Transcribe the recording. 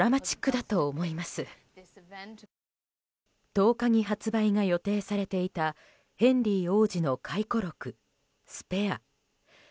１０日に発売が予定されていたヘンリー王子の回顧録「スペア」。